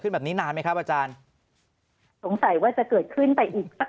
แบบนี้นานไหมครับอาจารย์สงสัยว่าจะเกิดขึ้นไปอีกสัก